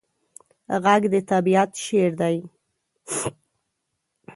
غږ د طبیعت شعر دی